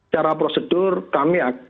cara prosedur kami